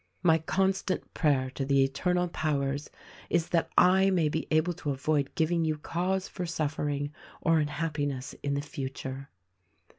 My constant prayer to the Eternal powers is that I may be able to avoid giving you cause for suffering or unhap piness in the future.